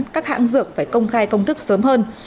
các hãng dược phải công khai công thức sớm hơn